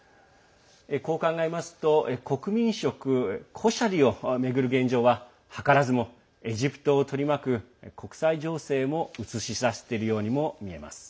こう考えますと国民食コシャリを巡る現状は図らずもエジプトを取り巻く国際情勢も映し出しているようにも見えます。